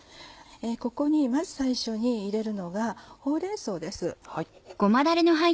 ここにまず最初に入れるのがほうれん草です。